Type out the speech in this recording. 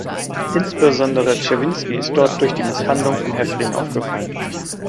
Insbesondere Czerwinski ist dort durch die Misshandlung von Häftlingen aufgefallen.